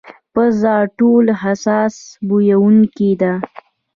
پزه ټولو حساس بویونکې ده.